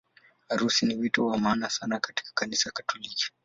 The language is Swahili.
Harusi ni wito wa maana sana katika Kanisa Katoliki.